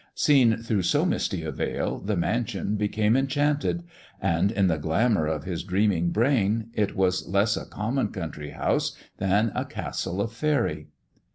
Seen through so misty a veil, the mansion became enchanted ; and in the glamour of his dreaming brain it was less a oommon country house than a castle of faery.